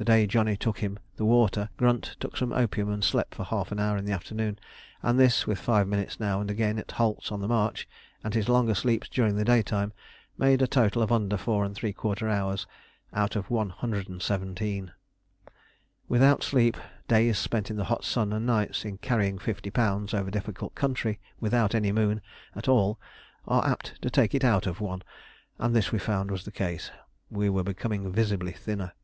The day Johnny took him the water Grunt took some opium and slept for half an hour in the afternoon, and this, with five minutes now and again at halts on the march and his longer sleeps during the daytime, made a total of under four and three quarter hours out of one hundred and seventeen. Without sleep, days spent in the hot sun and nights in carrying fifty pounds over difficult country without any moon at all are apt to take it out of one, and this we found was the case. We were becoming visibly thinner.